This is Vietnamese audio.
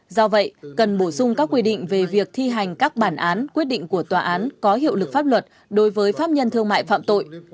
do vậy cần bổ sung các quy định về việc thi hành các bản án quyết định của tòa án có hiệu lực pháp luật đối với pháp nhân thương mại phạm tội